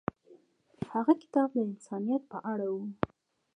هغه کتاب د انسانیت په اړه و.